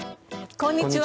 こんにちは。